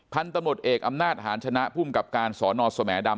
พันธุ์ตำรวจเอกอำนาจหาญชนะภูมิกับการสอนอสแหมดำ